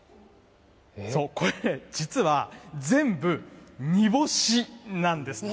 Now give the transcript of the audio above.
これ、実は全部煮干しなんです。